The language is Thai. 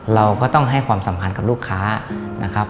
เราก็ต้องให้ความสำคัญกับลูกค้านะครับ